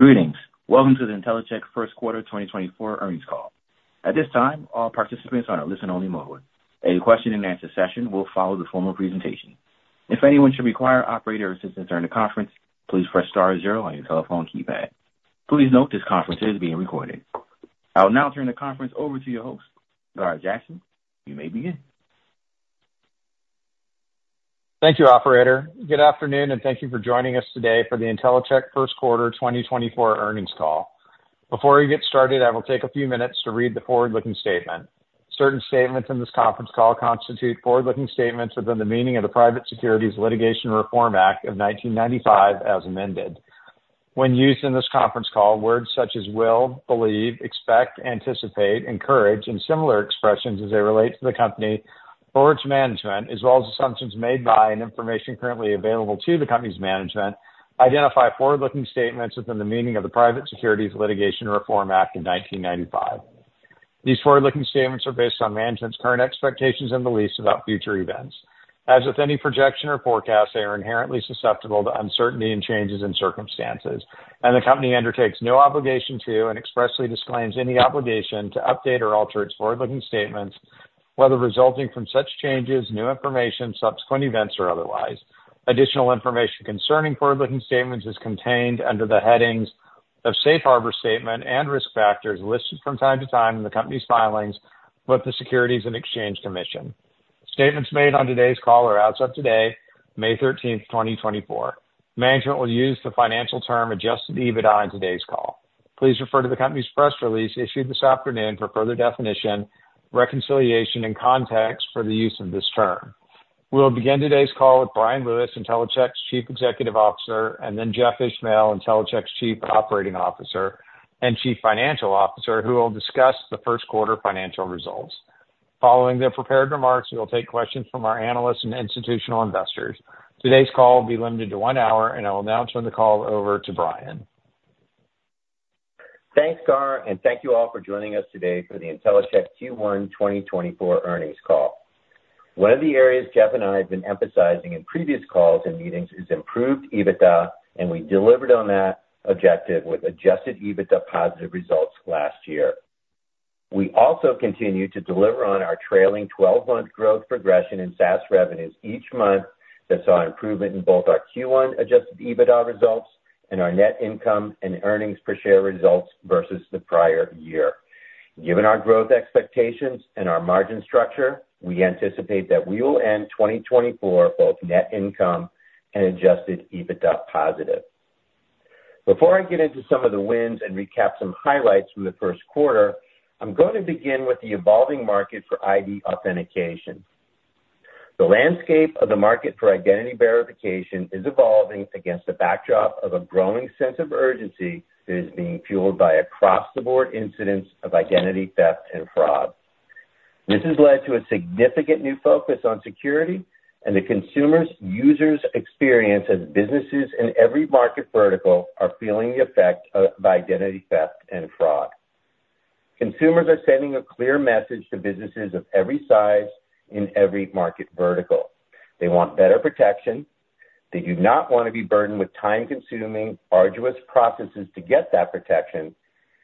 Greetings. Welcome to the Intellicheck first quarter 2024 earnings call. At this time, all participants are in a listen-only mode. A question-and-answer session will follow the formal presentation. If anyone should require operator assistance during the conference, please press star zero on your telephone keypad. Please note this conference is being recorded. I will now turn the conference over to your host, Gar Jackson. You may begin. Thank you, operator. Good afternoon, and thank you for joining us today for the Intellicheck first quarter 2024 earnings call. Before we get started, I will take a few minutes to read the forward-looking statement. Certain statements in this conference call constitute forward-looking statements within the meaning of the Private Securities Litigation Reform Act of 1995 as amended. When used in this conference call, words such as will, believe, expect, anticipate, encourage, and similar expressions as they relate to the company, or its management, as well as assumptions made by and information currently available to the company's management, identify forward-looking statements within the meaning of the Private Securities Litigation Reform Act of 1995. These forward-looking statements are based on management's current expectations and beliefs about future events. As with any projection or forecast, they are inherently susceptible to uncertainty and changes in circumstances, and the company undertakes no obligation to and expressly disclaims any obligation to update or alter its forward-looking statements, whether resulting from such changes, new information, subsequent events, or otherwise. Additional information concerning forward-looking statements is contained under the headings of safe harbor statement and risk factors listed from time to time in the company's filings with the Securities and Exchange Commission. Statements made on today's call are as of today, May 13th, 2024. Management will use the financial term Adjusted EBITDA on today's call. Please refer to the company's press release issued this afternoon for further definition, reconciliation, and context for the use of this term. We will begin today's call with Bryan Lewis, Intellicheck's Chief Executive Officer, and then Jeff Ishmael, Intellicheck's Chief Operating Officer and Chief Financial Officer, who will discuss the first quarter financial results. Following their prepared remarks, we will take questions from our analysts and institutional investors. Today's call will be limited to one hour, and I will now turn the call over to Bryan. Thanks, Gar, and thank you all for joining us today for the Intellicheck Q1 2024 earnings call. One of the areas Jeff and I have been emphasizing in previous calls and meetings is improved EBITDA, and we delivered on that objective with adjusted EBITDA positive results last year. We also continue to deliver on our trailing 12-month growth progression in SaaS revenues each month that saw improvement in both our Q1 adjusted EBITDA results and our net income and earnings per share results versus the prior year. Given our growth expectations and our margin structure, we anticipate that we will end 2024 both net income and adjusted EBITDA positive. Before I get into some of the wins and recap some highlights from the first quarter, I'm going to begin with the evolving market for ID authentication. The landscape of the market for identity verification is evolving against the backdrop of a growing sense of urgency that is being fueled by across-the-board incidents of identity theft and fraud. This has led to a significant new focus on security, and the consumers' users' experience as businesses in every market vertical are feeling the effect of identity theft and fraud. Consumers are sending a clear message to businesses of every size in every market vertical. They want better protection. They do not want to be burdened with time-consuming, arduous processes to get that protection,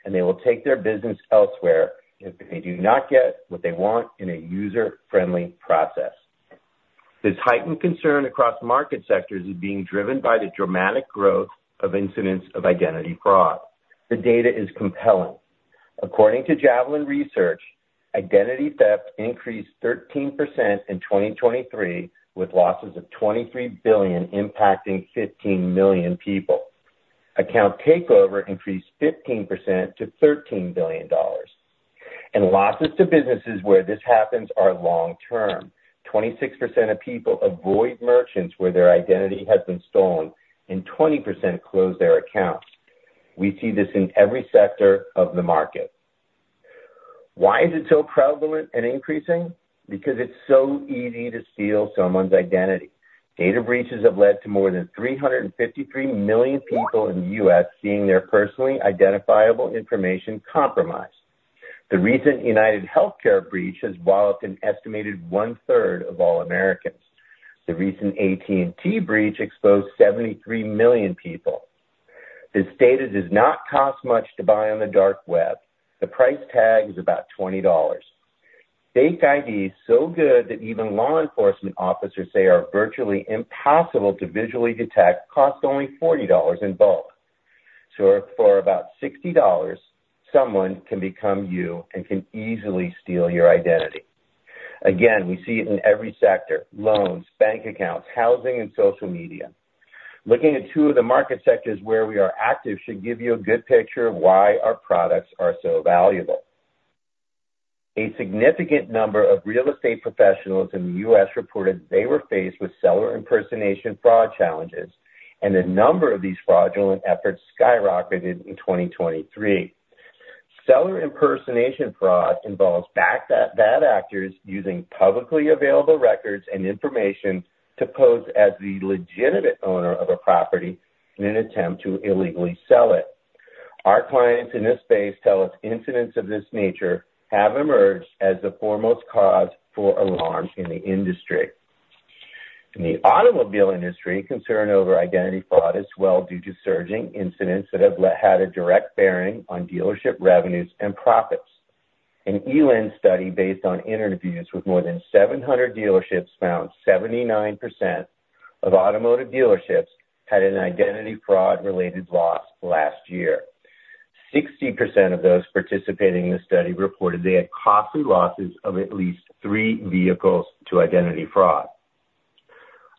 and they will take their business elsewhere if they do not get what they want in a user-friendly process. This heightened concern across market sectors is being driven by the dramatic growth of incidents of identity fraud. The data is compelling. According to Javelin Strategy & Research, identity theft increased 13% in 2023 with losses of $23 billion impacting 15 million people. Account takeover increased 15% to $13 billion. Losses to businesses where this happens are long-term. 26% of people avoid merchants where their identity has been stolen, and 20% close their accounts. We see this in every sector of the market. Why is it so prevalent and increasing? Because it's so easy to steal someone's identity. Data breaches have led to more than 353 million people in the U.S. seeing their personally identifiable information compromised. The recent UnitedHealthcare breach has swallowed an estimated one-third of all Americans. The recent AT&T breach exposed 73 million people. This data does not cost much to buy on the Dark Web. The price tag is about $20. Fake IDs, so good that even law enforcement officers say are virtually impossible to visually detect, cost only $40 in bulk. So for about $60, someone can become you and can easily steal your identity. Again, we see it in every sector: loans, bank accounts, housing, and social media. Looking at two of the market sectors where we are active should give you a good picture of why our products are so valuable. A significant number of real estate professionals in the U.S. reported they were faced with Seller Impersonation Fraud challenges, and the number of these fraudulent efforts skyrocketed in 2023. Seller Impersonation Fraud involves bad actors using publicly available records and information to pose as the legitimate owner of a property in an attempt to illegally sell it. Our clients in this space tell us incidents of this nature have emerged as the foremost cause for alarm in the industry. In the automobile industry, concern over identity fraud is well due to surging incidents that have had a direct bearing on dealership revenues and profits. An eLEND study based on interviews with more than 700 dealerships found 79% of automotive dealerships had an identity fraud-related loss last year. 60% of those participating in the study reported they had costly losses of at least three vehicles to identity fraud.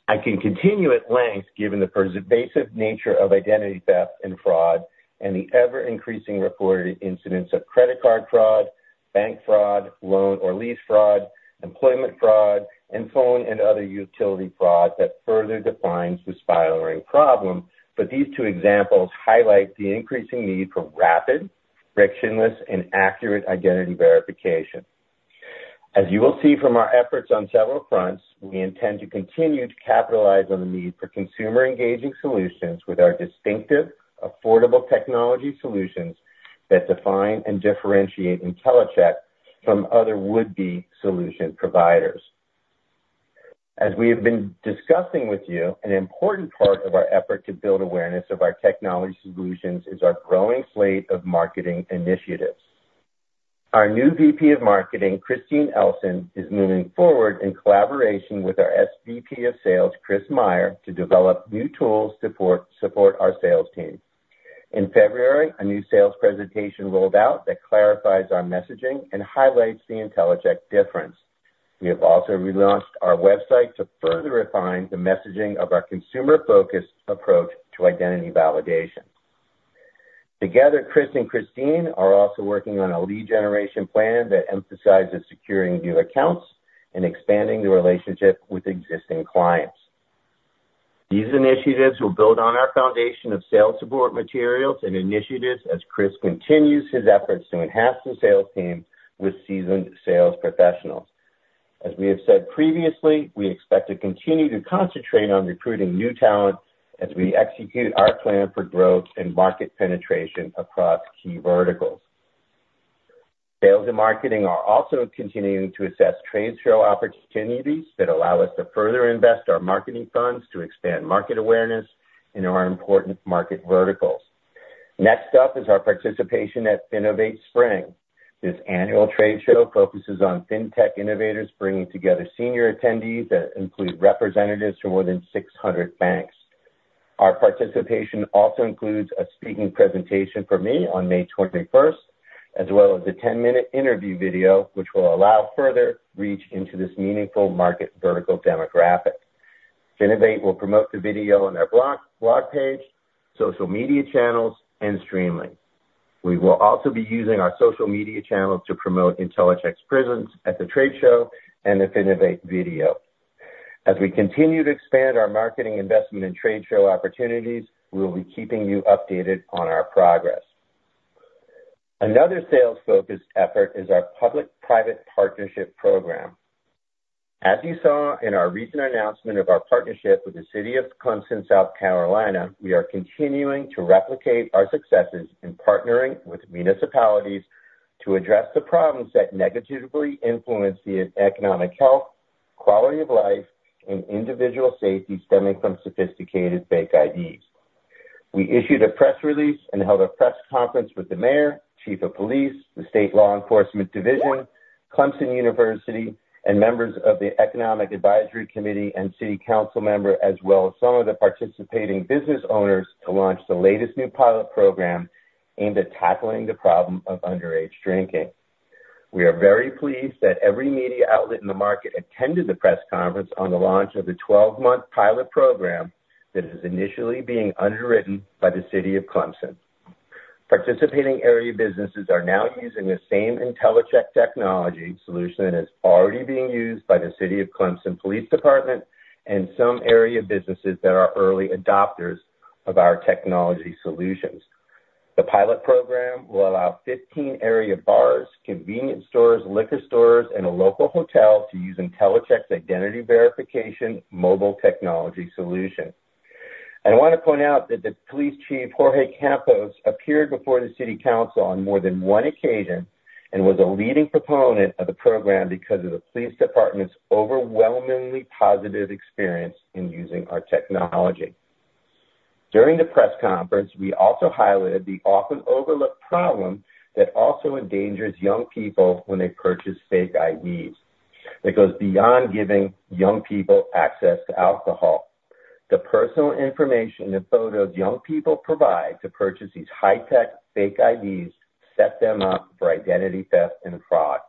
I can continue at length given the pervasive nature of identity theft and fraud and the ever-increasing reported incidents of credit card fraud, bank fraud, loan or lease fraud, employment fraud, and phone and other utility fraud that further defines the spiraling problem, but these two examples highlight the increasing need for rapid, frictionless, and accurate identity verification. As you will see from our efforts on several fronts, we intend to continue to capitalize on the need for consumer-engaging solutions with our distinctive, affordable technology solutions that define and differentiate Intellicheck from other would-be solution providers. As we have been discussing with you, an important part of our effort to build awareness of our technology solutions is our growing slate of marketing initiatives. Our new VP of marketing, Christine Elson, is moving forward in collaboration with our SVP of sales, Chris Meyer, to develop new tools to support our sales team. In February, a new sales presentation rolled out that clarifies our messaging and highlights the Intellicheck difference. We have also relaunched our website to further refine the messaging of our consumer-focused approach to identity validation. Together, Chris and Christine are also working on a lead generation plan that emphasizes securing new accounts and expanding the relationship with existing clients. These initiatives will build on our foundation of sales support materials and initiatives as Chris continues his efforts to enhance his sales team with seasoned sales professionals. As we have said previously, we expect to continue to concentrate on recruiting new talent as we execute our plan for growth and market penetration across key verticals. Sales and marketing are also continuing to assess trade show opportunities that allow us to further invest our marketing funds to expand market awareness in our important market verticals. Next up is our participation at FinovateSpring. This annual trade show focuses on fintech innovators bringing together senior attendees that include representatives from more than 600 banks. Our participation also includes a speaking presentation from me on May 21st, as well as a 10-minute interview video, which will allow further reach into this meaningful market vertical demographic. Finovate will promote the video on their blog page, social media channels, and streaming. We will also be using our social media channels to promote Intellicheck's presence at the trade show and the Finovate video. As we continue to expand our marketing investment and trade show opportunities, we will be keeping you updated on our progress. Another sales-focused effort is our public-private partnership program. As you saw in our recent announcement of our partnership with the City of Clemson, South Carolina, we are continuing to replicate our successes in partnering with municipalities to address the problems that negatively influence the economic health, quality of life, and individual safety stemming from sophisticated fake IDs. We issued a press release and held a press conference with the mayor, chief of police, the State Law Enforcement Division, Clemson University, and members of the Economic Advisory Committee and city council member, as well as some of the participating business owners, to launch the latest new pilot program aimed at tackling the problem of underage drinking. We are very pleased that every media outlet in the market attended the press conference on the launch of the 12-month pilot program that is initially being underwritten by the City of Clemson. Participating area businesses are now using the same Intellicheck technology solution that is already being used by the City of Clemson Police Department and some area businesses that are early adopters of our technology solutions. The pilot program will allow 15 area bars, convenience stores, liquor stores, and a local hotel to use Intellicheck's identity verification mobile technology solution. I want to point out that the police chief, Jorge Campos, appeared before the city council on more than one occasion and was a leading proponent of the program because of the police department's overwhelmingly positive experience in using our technology. During the press conference, we also highlighted the often-overlooked problem that also endangers young people when they purchase fake IDs. It goes beyond giving young people access to alcohol. The personal information and photos young people provide to purchase these high-tech fake IDs set them up for identity theft and fraud.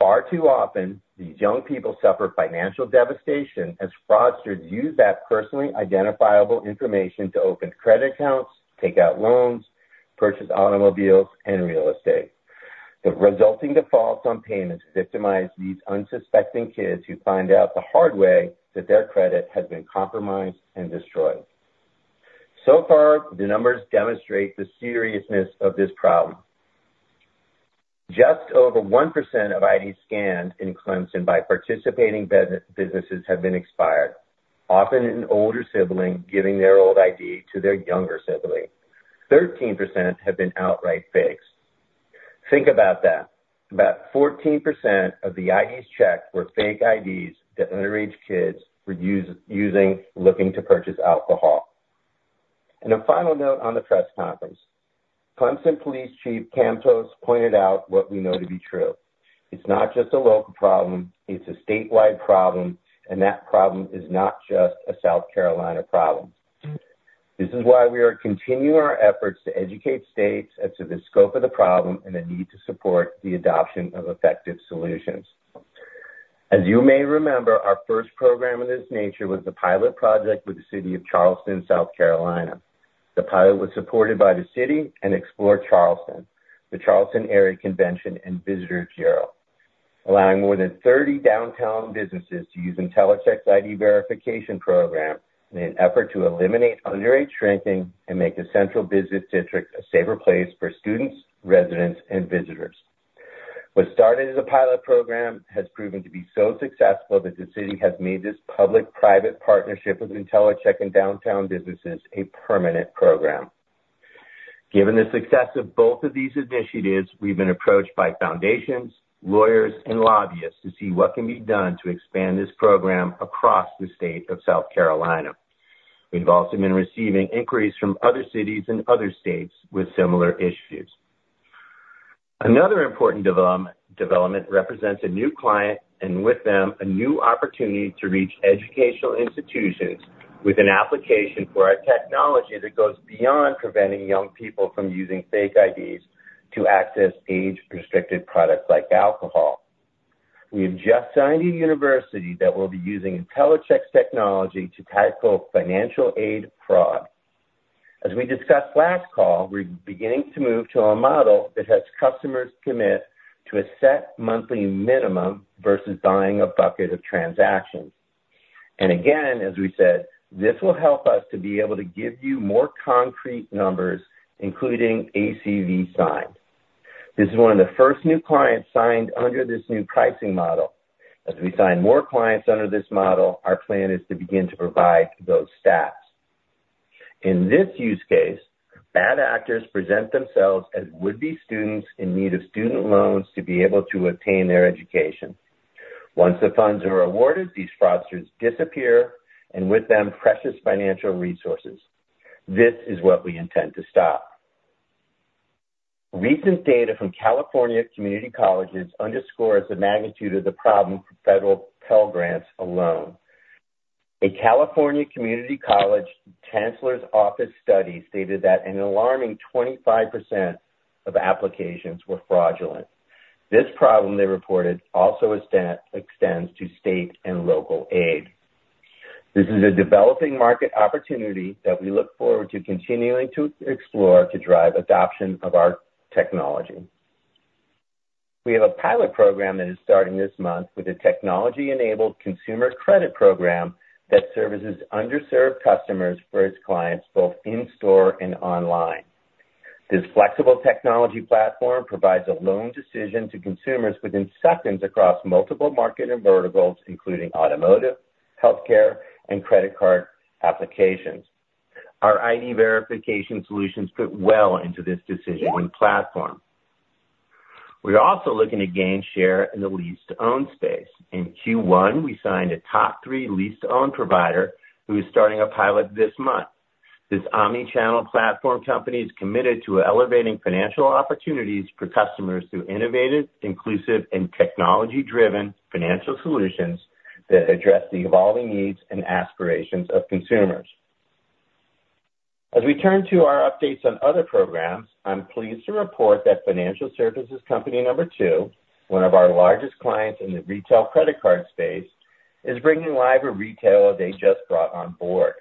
Far too often, these young people suffer financial devastation as fraudsters use that personally identifiable information to open credit accounts, take out loans, purchase automobiles, and real estate. The resulting defaults on payments victimize these unsuspecting kids who find out the hard way that their credit has been compromised and destroyed. So far, the numbers demonstrate the seriousness of this problem. Just over 1% of ID scans in Clemson by participating businesses have been expired, often an older sibling giving their old ID to their younger sibling. 13% have been outright fakes. Think about that. About 14% of the IDs checked were fake IDs that underage kids were using looking to purchase alcohol. A final note on the press conference. Clemson Police Chief Campos pointed out what we know to be true. It's not just a local problem. It's a statewide problem, and that problem is not just a South Carolina problem. This is why we are continuing our efforts to educate states as to the scope of the problem and the need to support the adoption of effective solutions. As you may remember, our first program of this nature was the pilot project with the City of Charleston, South Carolina. The pilot was supported by the City and Explore Charleston, the Charleston Area Convention and Visitors Bureau, allowing more than 30 downtown businesses to use Intellicheck's ID verification program in an effort to eliminate underage drinking and make the central business district a safer place for students, residents, and visitors. What started as a pilot program has proven to be so successful that the City has made this public-private partnership with Intellicheck and downtown businesses a permanent program. Given the success of both of these initiatives, we've been approached by foundations, lawyers, and lobbyists to see what can be done to expand this program across the state of South Carolina. We've also been receiving inquiries from other cities and other states with similar issues. Another important development represents a new client and with them a new opportunity to reach educational institutions with an application for our technology that goes beyond preventing young people from using fake IDs to access age-restricted products like alcohol. We have just signed a university that will be using Intellicheck's technology to tackle financial aid fraud. As we discussed last call, we're beginning to move to a model that has customers commit to a set monthly minimum versus buying a bucket of transactions. Again, as we said, this will help us to be able to give you more concrete numbers, including ACV signed. This is one of the first new clients signed under this new pricing model. As we sign more clients under this model, our plan is to begin to provide those stats. In this use case, bad actors present themselves as would-be students in need of student loans to be able to obtain their education. Once the funds are awarded, these fraudsters disappear and with them, precious financial resources. This is what we intend to stop. Recent data from California Community Colleges underscores the magnitude of the problem for federal Pell grants alone. A California Community Colleges Chancellor's Office study stated that an alarming 25% of applications were fraudulent. This problem, they reported, also extends to state and local aid. This is a developing market opportunity that we look forward to continuing to explore to drive adoption of our technology. We have a pilot program that is starting this month with a technology-enabled consumer credit program that services underserved customers for its clients both in-store and online. This flexible technology platform provides a loan decision to consumers within seconds across multiple market and verticals, including automotive, healthcare, and credit card applications. Our ID verification solutions fit well into this decisioning platform. We are also looking to gain share in the lease-to-own space. In Q1, we signed a top three lease-to-own provider who is starting a pilot this month. This omnichannel platform company is committed to elevating financial opportunities for customers through innovative, inclusive, and technology-driven financial solutions that address the evolving needs and aspirations of consumers. As we turn to our updates on other programs, I'm pleased to report that Financial Services Company Number Two, one of our largest clients in the retail credit card space, is bringing live a retailer they just brought on board.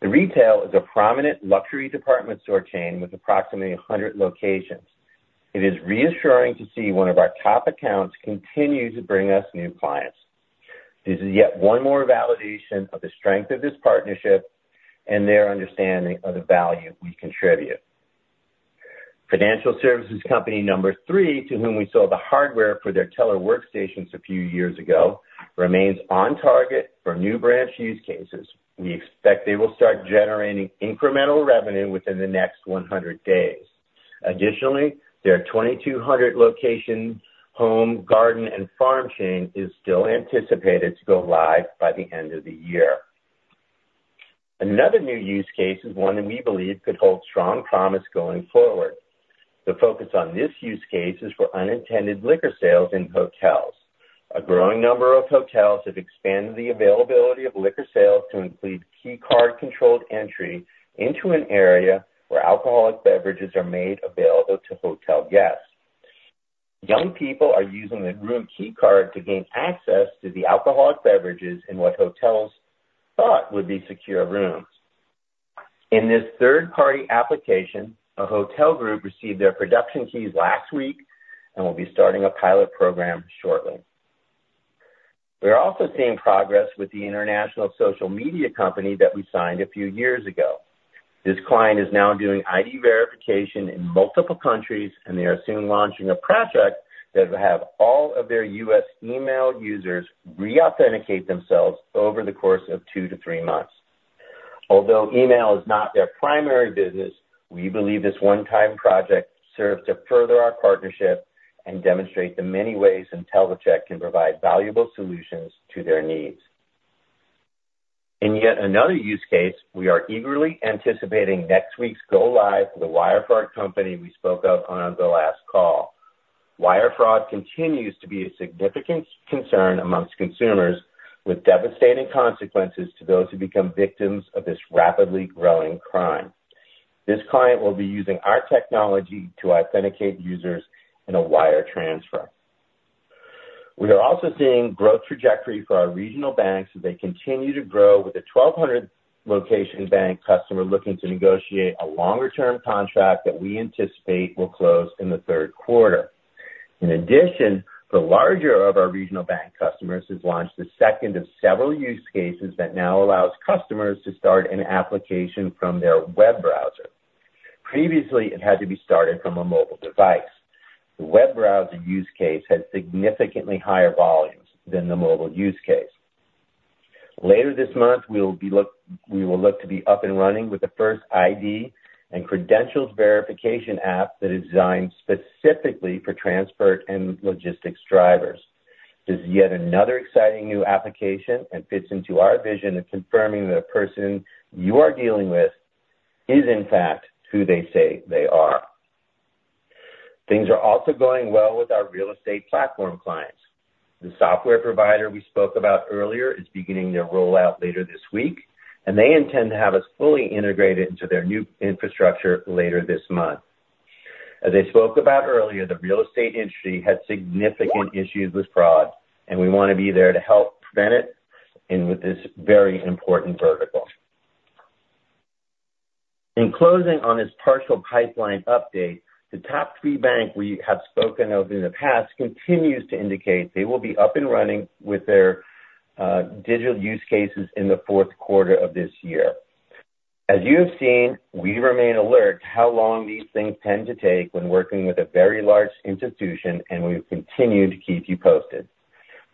The retail is a prominent luxury department store chain with approximately 100 locations. It is reassuring to see one of our top accounts continue to bring us new clients. This is yet one more validation of the strength of this partnership and their understanding of the value we contribute. Financial Services Company Number Three, to whom we sold the hardware for their teller workstations a few years ago, remains on target for new branch use cases. We expect they will start generating incremental revenue within the next 100 days. Additionally, their 2,200-location home, garden, and farm chain is still anticipated to go live by the end of the year. Another new use case is one that we believe could hold strong promise going forward. The focus on this use case is for unintended liquor sales in hotels. A growing number of hotels have expanded the availability of liquor sales to include key card-controlled entry into an area where alcoholic beverages are made available to hotel guests. Young people are using the room key card to gain access to the alcoholic beverages in what hotels thought would be secure rooms. In this third-party application, a hotel group received their production keys last week and will be starting a pilot program shortly. We are also seeing progress with the international social media company that we signed a few years ago. This client is now doing ID verification in multiple countries, and they are soon launching a project that will have all of their U.S. email users re-authenticate themselves over the course of 2-3 months. Although email is not their primary business, we believe this one-time project serves to further our partnership and demonstrate the many ways Intellicheck can provide valuable solutions to their needs. In yet another use case, we are eagerly anticipating next week's go-live for the wire fraud company we spoke of on the last call. Wire fraud continues to be a significant concern among consumers, with devastating consequences to those who become victims of this rapidly growing crime. This client will be using our technology to authenticate users in a wire transfer. We are also seeing growth trajectory for our regional banks as they continue to grow, with a 1,200-location bank customer looking to negotiate a longer-term contract that we anticipate will close in the third quarter. In addition, the larger of our regional bank customers has launched the second of several use cases that now allows customers to start an application from their web browser. Previously, it had to be started from a mobile device. The web browser use case has significantly higher volumes than the mobile use case. Later this month, we will look to be up and running with the first ID and credentials verification app that is designed specifically for transport and logistics drivers. This is yet another exciting new application and fits into our vision of confirming that a person you are dealing with is, in fact, who they say they are. Things are also going well with our real estate platform clients. The software provider we spoke about earlier is beginning their rollout later this week, and they intend to have us fully integrated into their new infrastructure later this month. As I spoke about earlier, the real estate industry had significant issues with fraud, and we want to be there to help prevent it with this very important vertical. In closing on this partial pipeline update, the top three banks we have spoken of in the past continues to indicate they will be up and running with their digital use cases in the fourth quarter of this year. As you have seen, we remain alert to how long these things tend to take when working with a very large institution, and we will continue to keep you posted.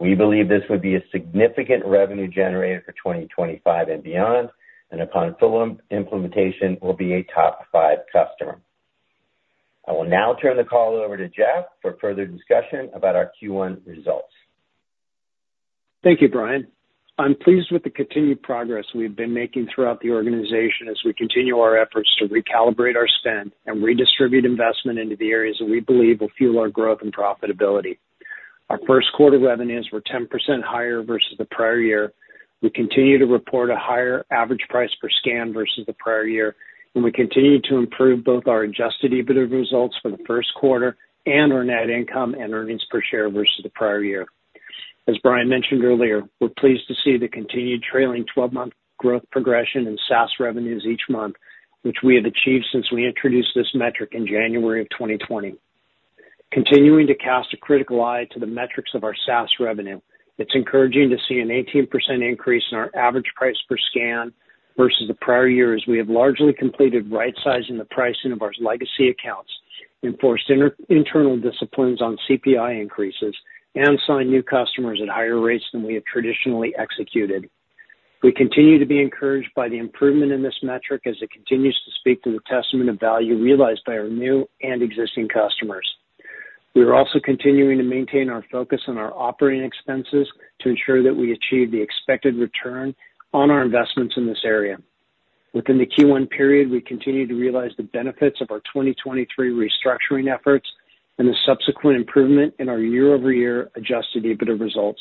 We believe this would be a significant revenue generator for 2025 and beyond, and upon full implementation, will be a top five customer. I will now turn the call over to Jeff for further discussion about our Q1 results. Thank you, Bryan. I'm pleased with the continued progress we've been making throughout the organization as we continue our efforts to recalibrate our spend and redistribute investment into the areas that we believe will fuel our growth and profitability. Our first quarter revenues were 10% higher versus the prior year. We continue to report a higher average price per scan versus the prior year, and we continue to improve both our Adjusted EBITDA results for the first quarter and our net income and earnings per share versus the prior year. As Bryan mentioned earlier, we're pleased to see the continued trailing 12-month growth progression in SaaS revenues each month, which we have achieved since we introduced this metric in January of 2020. Continuing to cast a critical eye to the metrics of our SaaS revenue, it's encouraging to see an 18% increase in our average price per scan versus the prior year as we have largely completed right-sizing the pricing of our legacy accounts, enforced internal disciplines on CPI increases, and signed new customers at higher rates than we have traditionally executed. We continue to be encouraged by the improvement in this metric as it continues to speak to the testament of value realized by our new and existing customers. We are also continuing to maintain our focus on our operating expenses to ensure that we achieve the expected return on our investments in this area. Within the Q1 period, we continue to realize the benefits of our 2023 restructuring efforts and the subsequent improvement in our year-over-year Adjusted EBITDA results.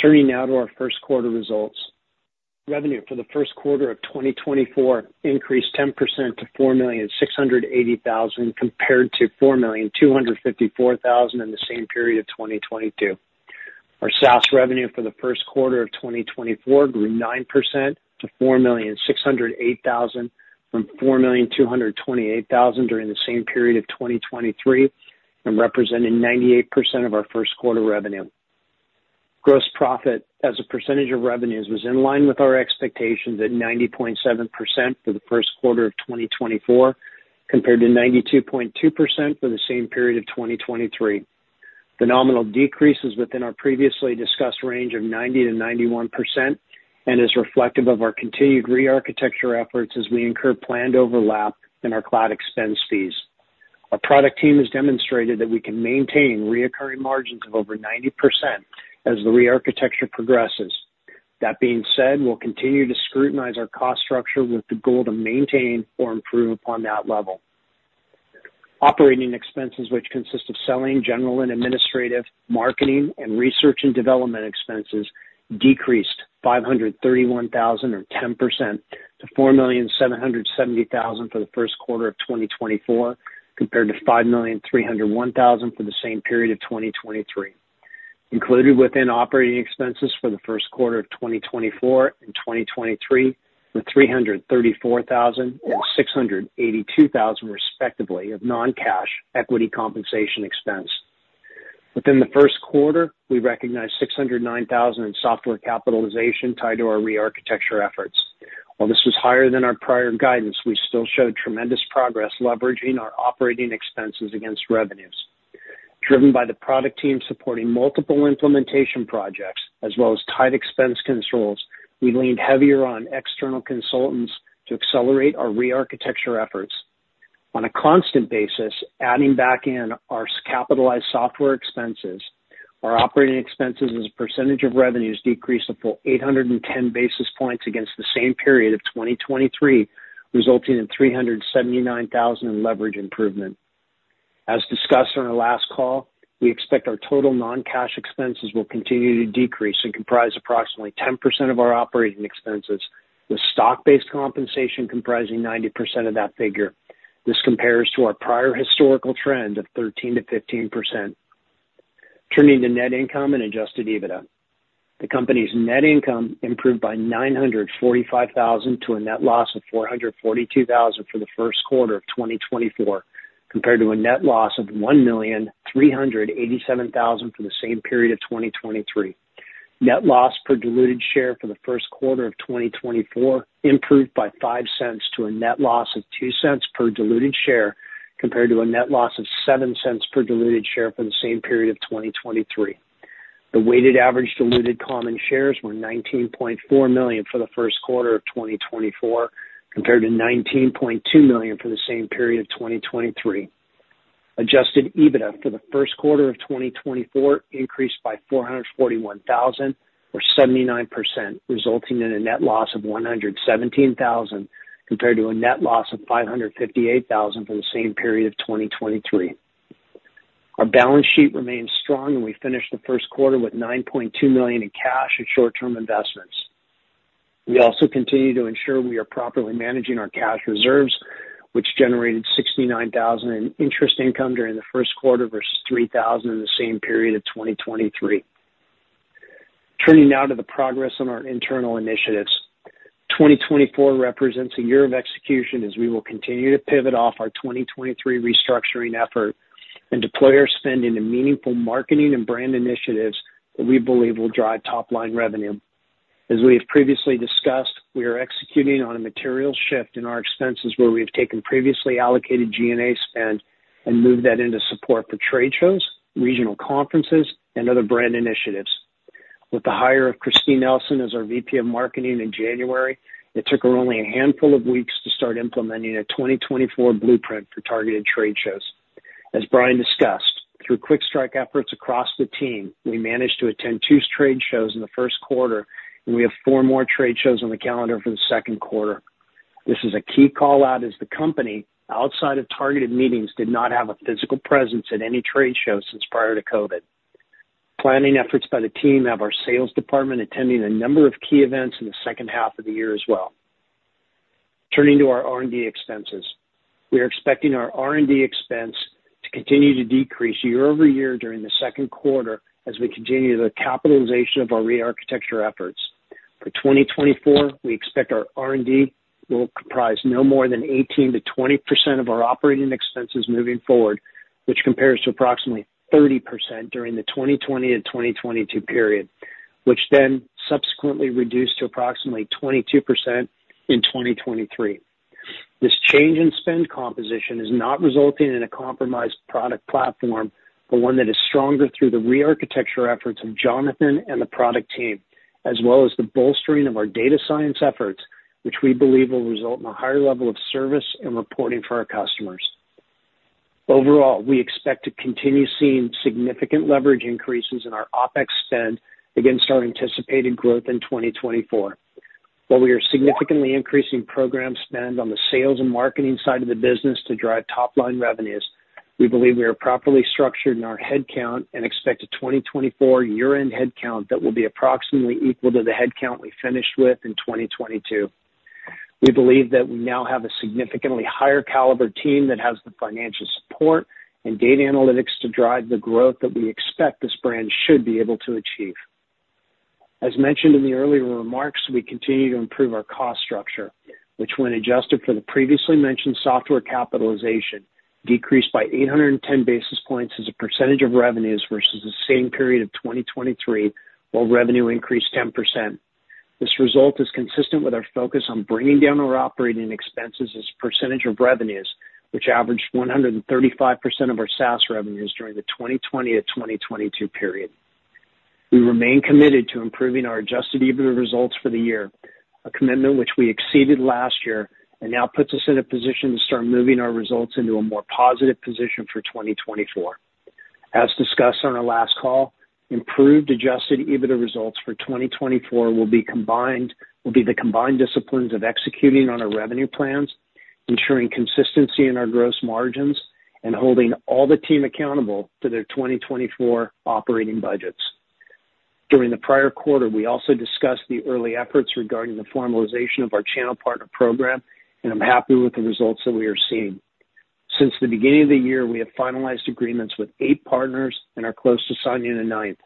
Turning now to our first quarter results. Revenue for the first quarter of 2024 increased 10% to $4,680,000 compared to $4,254,000 in the same period of 2022. Our SaaS revenue for the first quarter of 2024 grew 9% to $4,608,000 from $4,228,000 during the same period of 2023 and represented 98% of our first quarter revenue. Gross profit, as a percentage of revenues, was in line with our expectations at 90.7% for the first quarter of 2024 compared to 92.2% for the same period of 2023. The nominal decrease is within our previously discussed range of 90%-91% and is reflective of our continued re-architecture efforts as we incur planned overlap in our cloud expense fees. Our product team has demonstrated that we can maintain recurring margins of over 90% as the re-architecture progresses. That being said, we'll continue to scrutinize our cost structure with the goal to maintain or improve upon that level. Operating expenses, which consist of selling, general, and administrative, marketing, and research and development expenses, decreased $531,000 or 10% to $4,770,000 for the first quarter of 2024 compared to $5,301,000 for the same period of 2023. Included within operating expenses for the first quarter of 2024 and 2023 were $334,000 and $682,000, respectively, of non-cash equity compensation expense. Within the first quarter, we recognized $609,000 in software capitalization tied to our re-architecture efforts. While this was higher than our prior guidance, we still showed tremendous progress leveraging our operating expenses against revenues. Driven by the product team supporting multiple implementation projects as well as tight expense controls, we leaned heavier on external consultants to accelerate our re-architecture efforts. On a constant basis, adding back in our capitalized software expenses, our operating expenses as a percentage of revenues decreased a full 810 basis points against the same period of 2023, resulting in $379,000 in leverage improvement. As discussed on our last call, we expect our total non-cash expenses will continue to decrease and comprise approximately 10% of our operating expenses, with stock-based compensation comprising 90% of that figure. This compares to our prior historical trend of 13%-15%. Turning to net income and Adjusted EBITDA. The company's net income improved by $945,000 to a net loss of $442,000 for the first quarter of 2024 compared to a net loss of $1,387,000 for the same period of 2023. Net loss per diluted share for the first quarter of 2024 improved by $0.05 to a net loss of $0.02 per diluted share compared to a net loss of $0.07 per diluted share for the same period of 2023. The weighted average diluted common shares were 19.4 million for the first quarter of 2024 compared to 19.2 million for the same period of 2023. Adjusted EBITDA for the first quarter of 2024 increased by $441,000 or 79%, resulting in a net loss of $117,000 compared to a net loss of $558,000 for the same period of 2023. Our balance sheet remains strong, and we finished the first quarter with $9.2 million in cash and short-term investments. We also continue to ensure we are properly managing our cash reserves, which generated $69,000 in interest income during the first quarter versus $3,000 in the same period of 2023. Turning now to the progress on our internal initiatives. 2024 represents a year of execution as we will continue to pivot off our 2023 restructuring effort and deploy our spending to meaningful marketing and brand initiatives that we believe will drive top-line revenue. As we have previously discussed, we are executing on a material shift in our expenses where we have taken previously allocated G&A spend and moved that into support for trade shows, regional conferences, and other brand initiatives. With the hire of Christine Elson as our VP of Marketing in January, it took her only a handful of weeks to start implementing a 2024 blueprint for targeted trade shows. As Bryan discussed, through quick strike efforts across the team, we managed to attend two trade shows in the first quarter, and we have four more trade shows on the calendar for the second quarter. This is a key callout as the company, outside of targeted meetings, did not have a physical presence at any trade show since prior to COVID. Planning efforts by the team have our sales department attending a number of key events in the second half of the year as well. Turning to our R&D expenses. We are expecting our R&D expense to continue to decrease year-over-year during the second quarter as we continue the capitalization of our re-architecture efforts. For 2024, we expect our R&D will comprise no more than 18%-20% of our operating expenses moving forward, which compares to approximately 30% during the 2020-2022 period, which then subsequently reduced to approximately 22% in 2023. This change in spend composition is not resulting in a compromised product platform, but one that is stronger through the re-architecture efforts of Jonathan and the product team, as well as the bolstering of our data science efforts, which we believe will result in a higher level of service and reporting for our customers. Overall, we expect to continue seeing significant leverage increases in our OPEX spend against our anticipated growth in 2024. While we are significantly increasing program spend on the sales and marketing side of the business to drive top-line revenues, we believe we are properly structured in our headcount and expect a 2024 year-end headcount that will be approximately equal to the headcount we finished with in 2022. We believe that we now have a significantly higher caliber team that has the financial support and data analytics to drive the growth that we expect this brand should be able to achieve. As mentioned in the earlier remarks, we continue to improve our cost structure, which, when adjusted for the previously mentioned software capitalization, decreased by 810 basis points as a percentage of revenues versus the same period of 2023 while revenue increased 10%. This result is consistent with our focus on bringing down our operating expenses as a percentage of revenues, which averaged 135% of our SaaS revenues during the 2020 to 2022 period. We remain committed to improving our Adjusted EBITDA results for the year, a commitment which we exceeded last year and now puts us in a position to start moving our results into a more positive position for 2024. As discussed on our last call, improved Adjusted EBITDA results for 2024 will be the combined disciplines of executing on our revenue plans, ensuring consistency in our gross margins, and holding all the team accountable to their 2024 operating budgets. During the prior quarter, we also discussed the early efforts regarding the formalization of our channel partner program, and I'm happy with the results that we are seeing. Since the beginning of the year, we have finalized agreements with eight partners and are close to signing a ninth.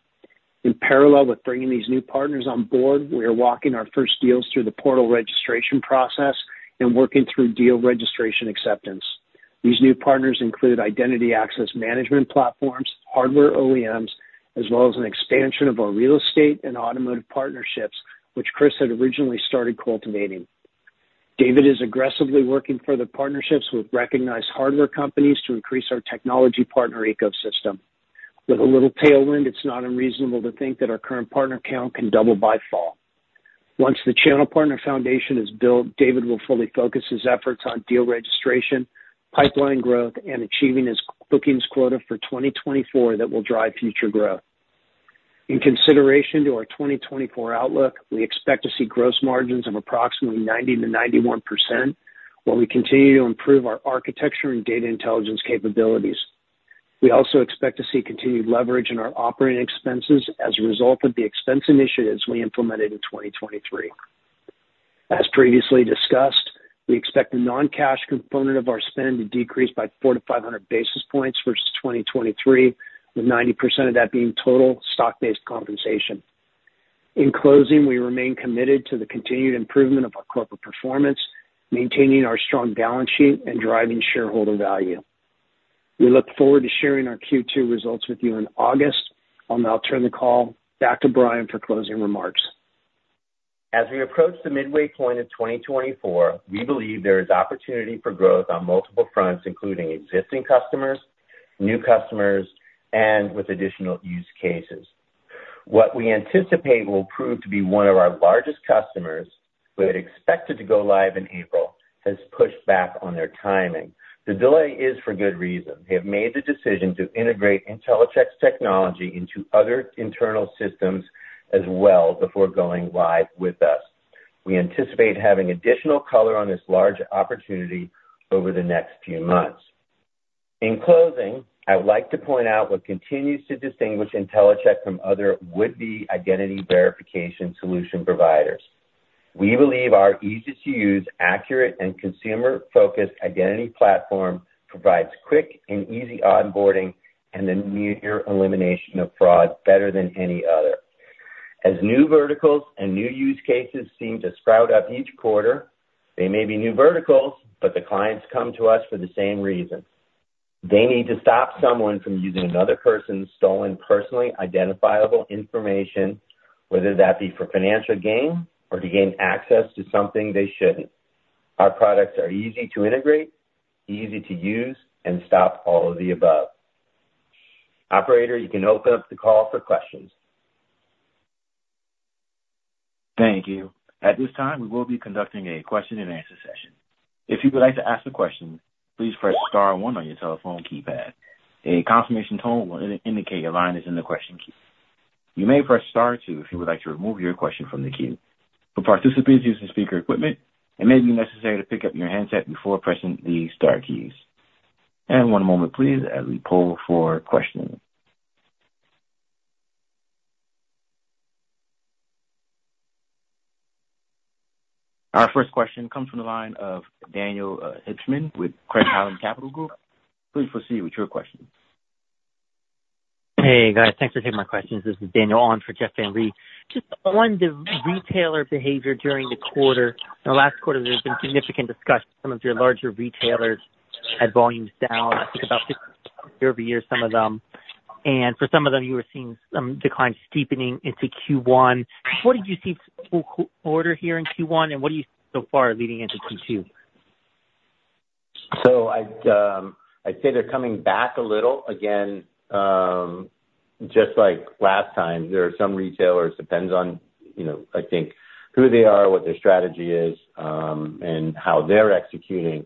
In parallel with bringing these new partners on board, we are walking our first deals through the portal registration process and working through deal registration acceptance. These new partners include identity access management platforms, hardware OEMs, as well as an expansion of our real estate and automotive partnerships, which Chris had originally started cultivating. David is aggressively working for the partnerships with recognized hardware companies to increase our technology partner ecosystem. With a little tailwind, it's not unreasonable to think that our current partner count can double by fall. Once the channel partner foundation is built, David will fully focus his efforts on deal registration, pipeline growth, and achieving his bookings quota for 2024 that will drive future growth. In consideration to our 2024 outlook, we expect to see gross margins of approximately 90%-91% while we continue to improve our architecture and data intelligence capabilities. We also expect to see continued leverage in our operating expenses as a result of the expense initiatives we implemented in 2023. As previously discussed, we expect the non-cash component of our spend to decrease by 400-500 basis points versus 2023, with 90% of that being total stock-based compensation. In closing, we remain committed to the continued improvement of our corporate performance, maintaining our strong balance sheet, and driving shareholder value. We look forward to sharing our Q2 results with you in August. I'll now turn the call back to Bryan for closing remarks. As we approach the midway point of 2024, we believe there is opportunity for growth on multiple fronts, including existing customers, new customers, and with additional use cases. What we anticipate will prove to be one of our largest customers, who had expected to go live in April, has pushed back on their timing. The delay is for good reason. They have made the decision to integrate Intellicheck's technology into other internal systems as well before going live with us. We anticipate having additional color on this large opportunity over the next few months. In closing, I would like to point out what continues to distinguish Intellicheck from other would-be identity verification solution providers. We believe our easy-to-use, accurate, and consumer-focused identity platform provides quick and easy onboarding and the near elimination of fraud better than any other. As new verticals and new use cases seem to sprout up each quarter, they may be new verticals, but the clients come to us for the same reason. They need to stop someone from using another person's stolen personally identifiable information, whether that be for financial gain or to gain access to something they shouldn't. Our products are easy to integrate, easy to use, and stop all of the above. Operator, you can open up the call for questions. Thank you. At this time, we will be conducting a question-and-answer session. If you would like to ask a question, please press star one on your telephone keypad. A confirmation tone will indicate your line is in the question queue. You may press star two if you would like to remove your question from the queue. For participants using speaker equipment, it may be necessary to pick up your handset before pressing the star keys. One moment, please, as we pull for questions. Our first question comes from the line of Daniel Hibshman with Craig-Hallum Capital Group. Please proceed with your question. Hey, guys. Thanks for taking my questions. This is Daniel Owen for Jeff Van Rhee. Just on the retailer behavior during the quarter, in the last quarter, there's been significant discussion. Some of your larger retailers had volumes down, I think, about 50% year-over-year, some of them. For some of them, you were seeing some decline steepening into Q1. What did you see order here in Q1, and what do you see so far leading into Q2? So I'd say they're coming back a little. Again, just like last time, there are some retailers it depends on, I think, who they are, what their strategy is, and how they're executing.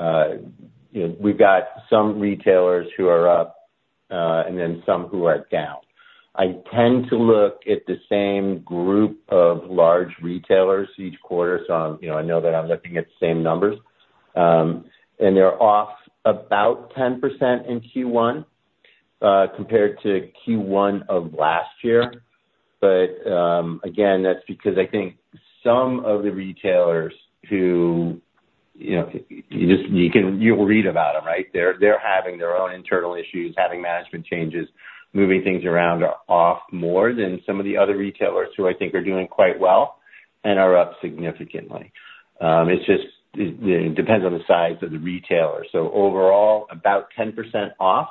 We've got some retailers who are up and then some who are down. I tend to look at the same group of large retailers each quarter, so I know that I'm looking at the same numbers. And they're off about 10% in Q1 compared to Q1 of last year. But again, that's because I think some of the retailers who you'll read about them, right? They're having their own internal issues, having management changes, moving things around, are off more than some of the other retailers who I think are doing quite well and are up significantly. It depends on the size of the retailer. So overall, about 10% off.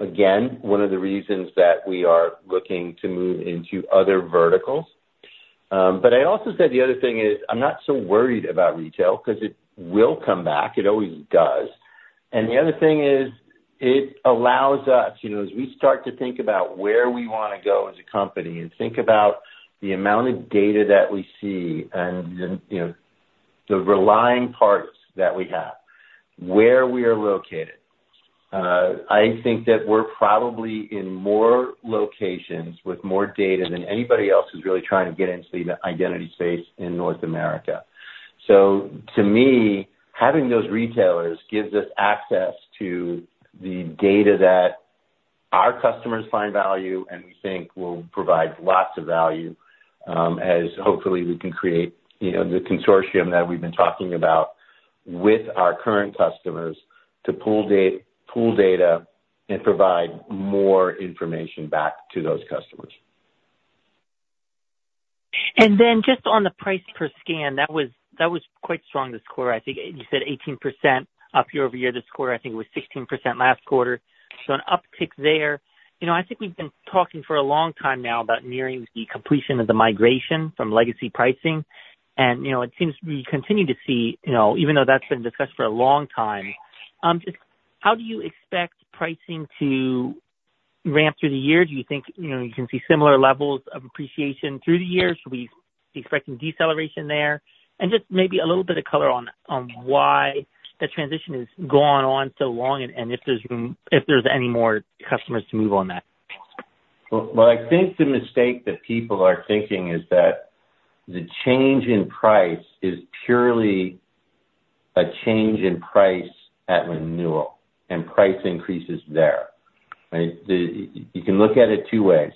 Again, one of the reasons that we are looking to move into other verticals. But I also said the other thing is I'm not so worried about retail because it will come back. It always does. And the other thing is it allows us, as we start to think about where we want to go as a company and think about the amount of data that we see and the relying parties that we have, where we are located, I think that we're probably in more locations with more data than anybody else is really trying to get into the identity space in North America. So to me, having those retailers gives us access to the data that our customers find value and we think will provide lots of value as, hopefully, we can create the consortium that we've been talking about with our current customers to pool data and provide more information back to those customers. And then just on the price per scan, that was quite strong, the score. I think you said 18% up year-over-year. The score, I think, was 16% last quarter. So an uptick there. I think we've been talking for a long time now about nearing the completion of the migration from legacy pricing. And it seems we continue to see, even though that's been discussed for a long time, how do you expect pricing to ramp through the year? Do you think you can see similar levels of appreciation through the year? Should we be expecting deceleration there? And just maybe a little bit of color on why that transition has gone on so long and if there's any more customers to move on that. Well, I think the mistake that people are thinking is that the change in price is purely a change in price at renewal, and price increases there, right? You can look at it two ways.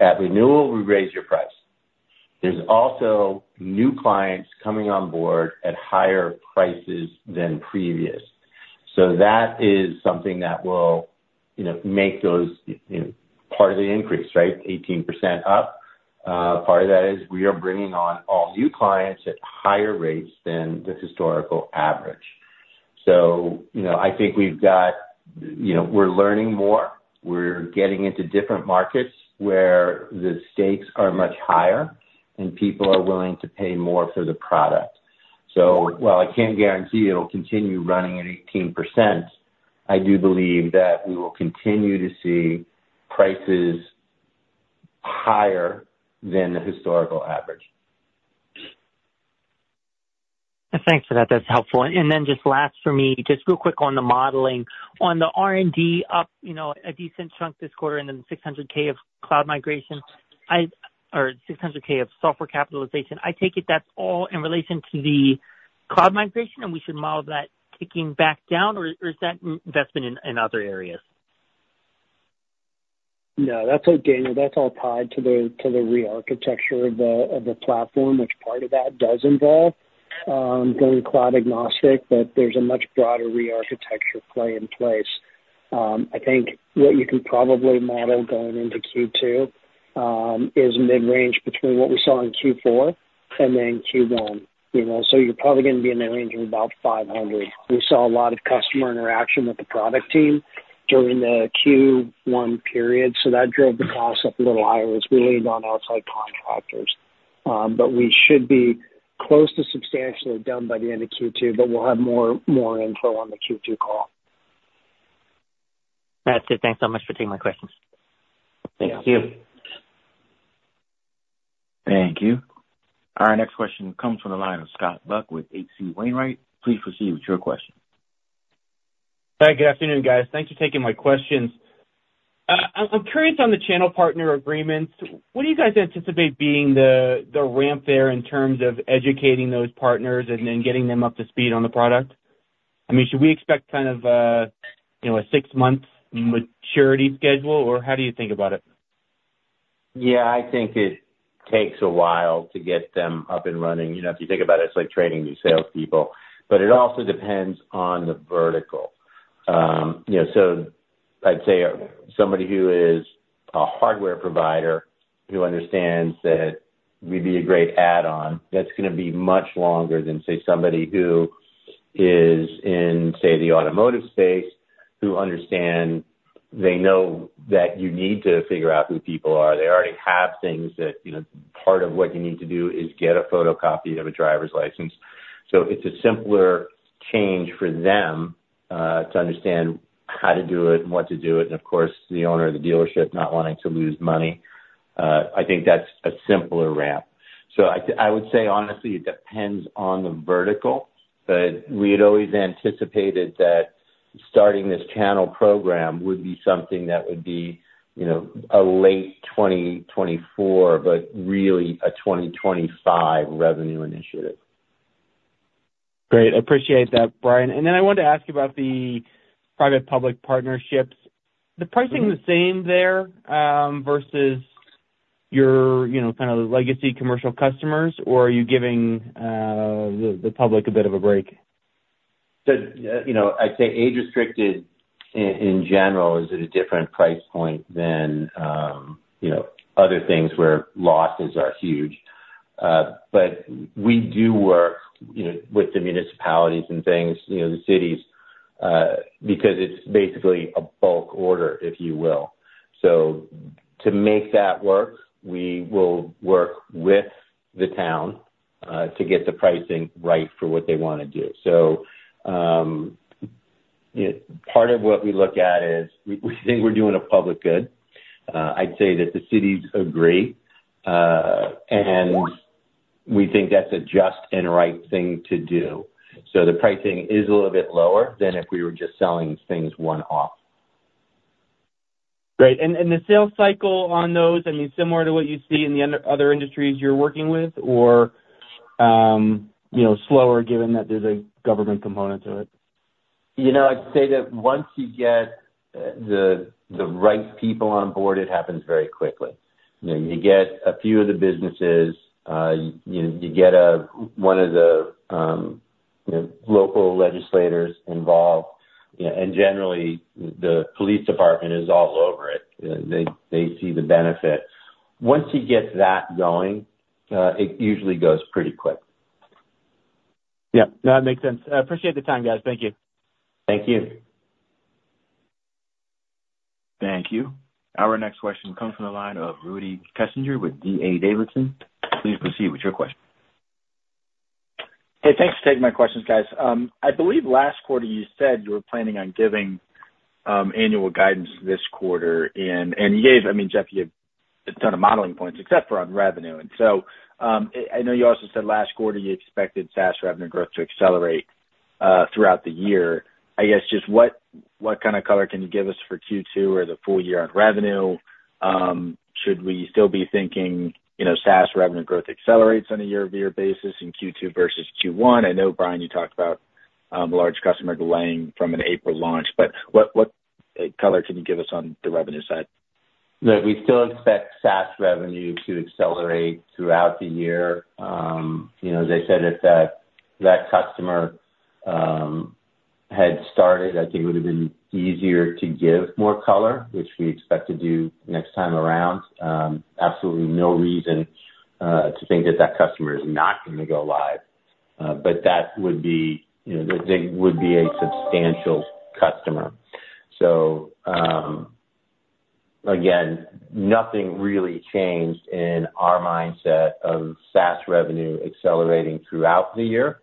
At renewal, we raise your price. There's also new clients coming on board at higher prices than previous. So that is something that will make those part of the increase, right? 18% up. Part of that is we are bringing on all new clients at higher rates than the historical average. So I think we're learning more. We're getting into different markets where the stakes are much higher, and people are willing to pay more for the product. So while I can't guarantee it'll continue running at 18%, I do believe that we will continue to see prices higher than the historical average. Thanks for that. That's helpful. Then just last for me, just real quick on the modeling. On the R&D up a decent chunk this quarter and then the $600,000 of cloud migration or $600,000 of software capitalization, I take it that's all in relation to the cloud migration, and we should model that ticking back down, or is that investment in other areas? No, Daniel, that's all tied to the rearchitecture of the platform, which part of that does involve going cloud-agnostic, but there's a much broader rearchitecture play in place. I think what you can probably model going into Q2 is mid-range between what we saw in Q4 and then Q1. You're probably going to be in the range of about $500,000. We saw a lot of customer interaction with the product team during the Q1 period, so that drove the cost up a little higher as we leaned on outside contractors. But we should be close to substantially done by the end of Q2, but we'll have more info on the Q2 call. That's it. Thanks so much for taking my questions. Thank you. Thank you. Our next question comes from the line of Scott Buck with H.C. Wainwright. Please proceed with your question. Hi. Good afternoon, guys. Thanks for taking my questions. I'm curious on the channel partner agreements. What do you guys anticipate being the ramp there in terms of educating those partners and then getting them up to speed on the product? I mean, should we expect kind of a six-month maturity schedule, or how do you think about it? Yeah. I think it takes a while to get them up and running. If you think about it, it's like training new salespeople. But it also depends on the vertical. So I'd say somebody who is a hardware provider who understands that we'd be a great add-on, that's going to be much longer than, say, somebody who is in, say, the automotive space who understand they know that you need to figure out who people are. They already have things that part of what you need to do is get a photocopy of a driver's license. So it's a simpler change for them to understand how to do it and what to do it and, of course, the owner of the dealership not wanting to lose money. I think that's a simpler ramp. So I would say, honestly, it depends on the vertical. But we had always anticipated that starting this channel program would be something that would be a late 2024 but really a 2025 revenue initiative. Great. I appreciate that, Bryan. And then I wanted to ask you about the public-private partnerships. Is the pricing the same there versus your kind of legacy commercial customers, or are you giving the public a bit of a break? I'd say age-restricted, in general, is at a different price point than other things where losses are huge. But we do work with the municipalities and things, the cities, because it's basically a bulk order, if you will. So to make that work, we will work with the town to get the pricing right for what they want to do. So part of what we look at is we think we're doing a public good. I'd say that the cities agree, and we think that's a just and right thing to do. So the pricing is a little bit lower than if we were just selling things one-off. Great. And the sales cycle on those, I mean, similar to what you see in the other industries you're working with or slower given that there's a government component to it? I'd say that once you get the right people on board, it happens very quickly. You get a few of the businesses. You get one of the local legislators involved. And generally, the police department is all over it. They see the benefit. Once you get that going, it usually goes pretty quick. Yep. No, that makes sense. I appreciate the time, guys. Thank you. Thank you. Thank you. Our next question comes from the line of Rudy Kessinger with D.A. Davidson. Please proceed with your question. Hey, thanks for taking my questions, guys. I believe last quarter, you said you were planning on giving annual guidance this quarter. You gave—I mean, Jeff, you have a ton of modeling points except for on revenue. So I know you also said last quarter, you expected SaaS revenue growth to accelerate throughout the year. I guess just what kind of color can you give us for Q2 or the full year on revenue? Should we still be thinking SaaS revenue growth accelerates on a year-over-year basis in Q2 versus Q1? I know, Bryan, you talked about large customers delaying from an April launch, but what color can you give us on the revenue side? That we still expect SaaS revenue to accelerate throughout the year. As I said, if that customer had started, I think it would have been easier to give more color, which we expect to do next time around. Absolutely no reason to think that that customer is not going to go live. But that would be they would be a substantial customer. So again, nothing really changed in our mindset of SaaS revenue accelerating throughout the year.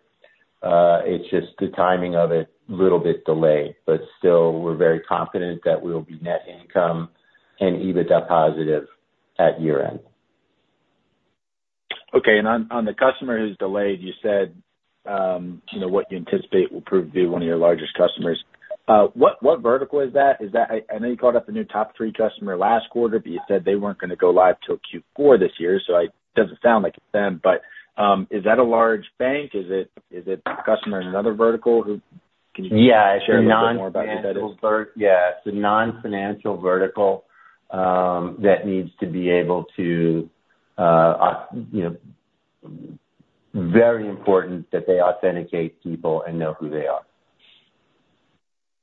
It's just the timing of it a little bit delayed. But still, we're very confident that we'll be net income and EBITDA positive at year-end. Okay. And on the customer who's delayed, you said what you anticipate will prove to be one of your largest customers. What vertical is that? I know you caught up the new top three customer last quarter, but you said they weren't going to go live till Q4 this year, so it doesn't sound like it's them. But is that a large bank? Is it a customer in another vertical who can you share a little bit more about who that is? Yeah. It's a non-financial vertical that needs to be able to very important that they authenticate people and know who they are.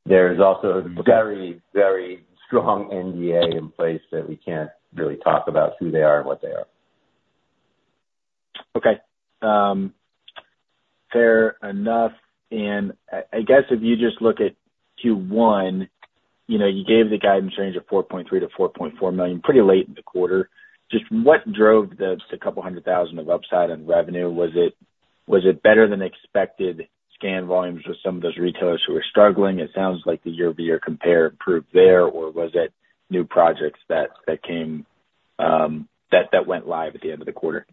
There is also a very, very strong NDA in place that we can't really talk about who they are and what they are. Okay. Fair enough. And I guess if you just look at Q1, you gave the guidance range of $4.3 million-$4.4 million pretty late in the quarter. Just what drove the couple hundred thousand of upside on revenue? Was it better than expected scan volumes with some of those retailers who were struggling? It sounds like the year-over-year compare improved there, or was it new projects that went live at the end of the quarter?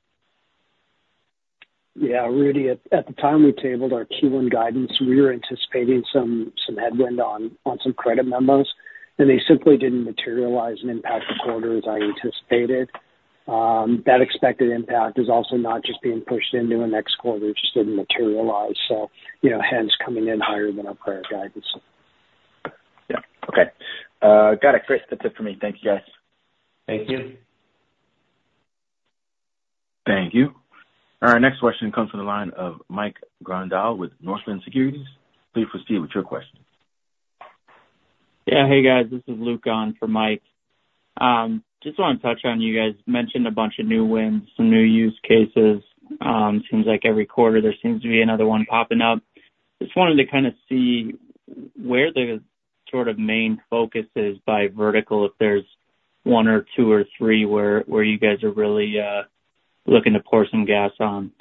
Yeah. Rudy, at the time we tabled our Q1 guidance, we were anticipating some headwind on some credit memos, and they simply didn't materialize and impact the quarter as I anticipated. That expected impact is also not just being pushed into a next quarter. It just didn't materialize. So hence, coming in higher than our prior guidance. Yeah. Okay. Got it, Chris. That's it for me. Thank you, guys. Thank you. Thank you. Our next question comes from the line of Mike Grondahl with Northland Securities. Please proceed with your question. Yeah. Hey, guys. This is Luke Horton for Mike. Just want to touch on you guys. Mentioned a bunch of new wins, some new use cases. Seems like every quarter, there seems to be another one popping up. Just wanted to kind of see where the sort of main focus is by vertical, if there's one or two or three where you guys are really looking to pour some gas on?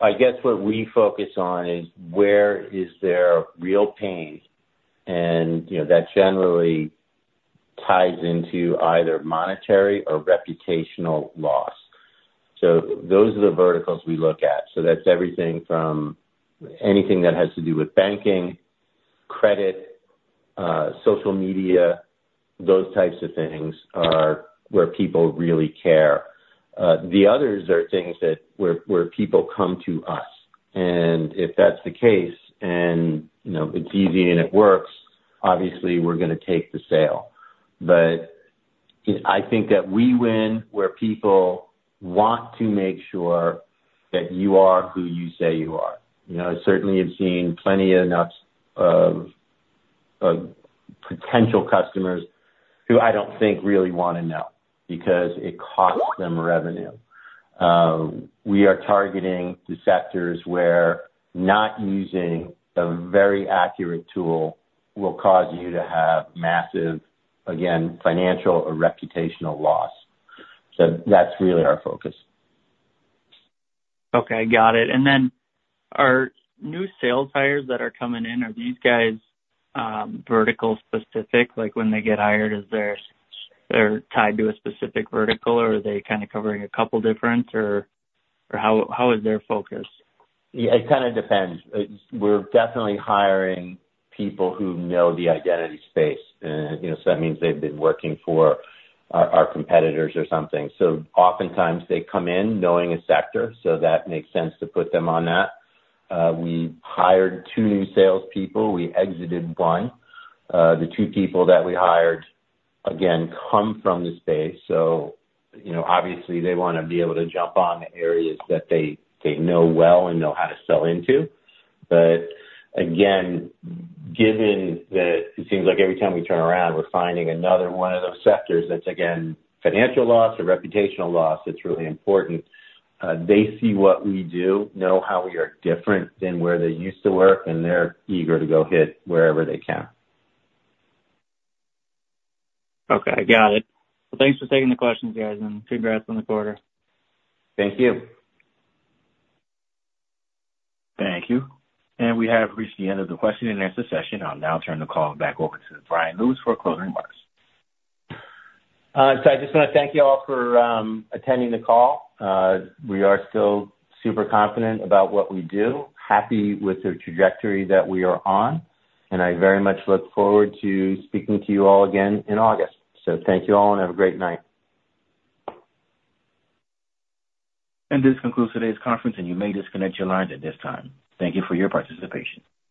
I guess what we focus on is where is there real pain, and that generally ties into either monetary or reputational loss. So those are the verticals we look at. So that's everything from anything that has to do with banking, credit, social media. Those types of things are where people really care. The others are things where people come to us. And if that's the case, and it's easy and it works, obviously, we're going to take the sale. But I think that we win where people want to make sure that you are who you say you are. Certainly, I've seen plenty enough of potential customers who I don't think really want to know because it costs them revenue. We are targeting the sectors where not using a very accurate tool will cause you to have massive, again, financial or reputational loss. So that's really our focus. Okay. Got it. And then our new sales hires that are coming in, are these guys vertical-specific? When they get hired, are they tied to a specific vertical, or are they kind of covering a couple different, or how is their focus? Yeah. It kind of depends. We're definitely hiring people who know the identity space. So that means they've been working for our competitors or something. So oftentimes, they come in knowing a sector, so that makes sense to put them on that. We hired two new salespeople. We exited one. The two people that we hired, again, come from the space. So obviously, they want to be able to jump on the areas that they know well and know how to sell into. But again, given that it seems like every time we turn around, we're finding another one of those sectors that's, again, financial loss or reputational loss that's really important, they see what we do, know how we are different than where they used to work, and they're eager to go hit wherever they can. Okay. Got it. Well, thanks for taking the questions, guys, and congrats on the quarter. Thank you. Thank you. And we have reached the end of the question-and-answer session. I'll now turn the call back over to Bryan Lewis for closing remarks. So I just want to thank you all for attending the call. We are still super confident about what we do, happy with the trajectory that we are on, and I very much look forward to speaking to you all again in August. Thank you all and have a great night. This concludes today's conference, and you may disconnect your lines at this time. Thank you for your participation.